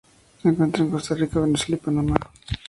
Se encuentra en Costa Rica, Venezuela y Panamá.